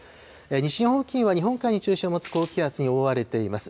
西日本付近は、日本海に中心を持つ高気圧に覆われています。